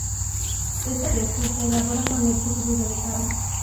Este queso se elabora con leche cruda de cabra.